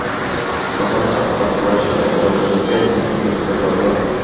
তখন খাত্তাব কুরাইশের একদল যুবককে নিয়োজিত করল।